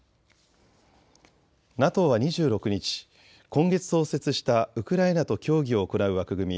ＮＡＴＯは２６日、今月創設したウクライナと協議を行う枠組み